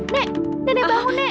nek nenek bangun nek